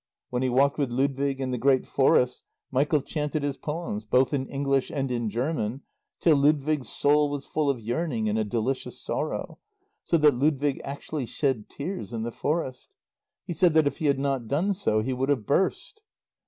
When he walked with Ludwig in the great forests Michael chanted his poems, both in English and in German, till Ludwig's soul was full of yearning and a delicious sorrow, so that Ludwig actually shed tears in the forest. He said that if he had not done so he would have burst.